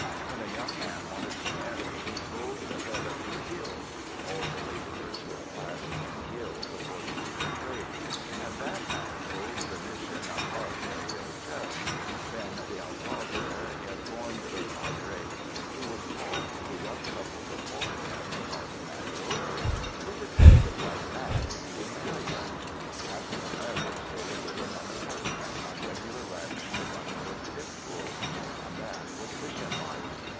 When a young man wanted to marry, he told the head of his guild— all the laborers were classed in guilds, according to their trade — and that man told the Mission alcalde or judge; then the alcalde in formed the Padre, who would call the young couple 155 UNDER THE SKY IN CALIFORNIA before him and talk the matter over, and if it seemed a right match, he would marry them. After the marriage, they were given an apartment and regular rations of uncooked victuals. And that was Mission life.